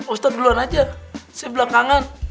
ustadz duluan aja saya belakangan